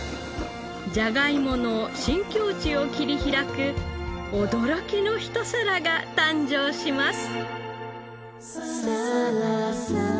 じゃがいもの新境地を切り開く驚きのひと皿が誕生します。